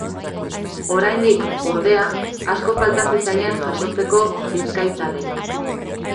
Oraindik, ordea, asko falta zitzaien jasotzeko bizkaitarrei.